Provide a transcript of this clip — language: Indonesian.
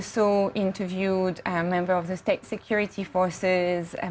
kami juga telah menemukan member dari perusahaan keamanan